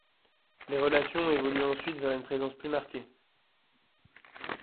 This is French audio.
Les relations évoluent ensuite vers une présence plus marquée.